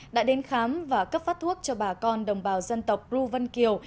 đã đến khám và cấp phát thuốc cho bà con đồng bào dân tộc rưu vân kiều